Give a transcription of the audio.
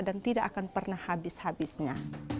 dan tidak akan pernah habis habisnya